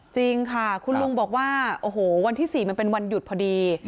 จริงค่ะคุณลุงบอกว่าโอ้โหวันที่๔มันเป็นวันหยุดพอดี